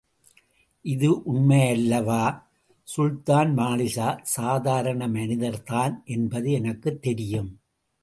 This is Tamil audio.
இது உண்மையல்லவா? சுல்தான் மாலிக்ஷா சாதாரண மனிதர்தான் என்பது எனக்குத் தெரியும்.